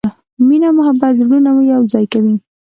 مینه او محبت زړونه یو ځای کوي.